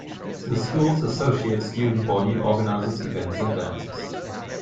The school's Associate Student Body organizes events and dances.